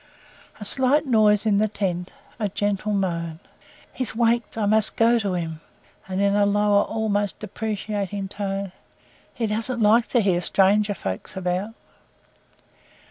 A slight noise in the tent a gentle moan. "He's waked; I must go to him, and," in a lower, almost a deprecating tone, "he doesn't like to hear stranger folks about."